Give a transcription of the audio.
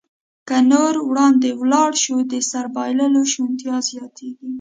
که نور وړاندې ولاړ شو، د سر بایللو شونتیا زیاتېږي.